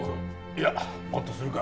いやもっとするか。